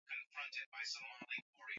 nimewaomba viongozi mbalimbali wa dini